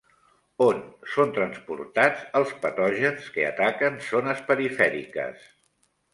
On són transportats els patògens que ataquen zones perifèriques?